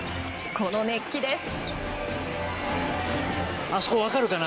この熱気です。